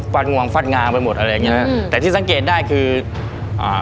งวงฟัดงาไปหมดอะไรอย่างเงี้ยแต่ที่สังเกตได้คืออ่า